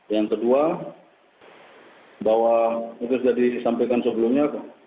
yang kedua bahwa itu sudah disampaikan sebelumnya